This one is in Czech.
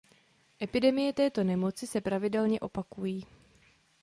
Epidemie této nemoci se pravidelně opakují.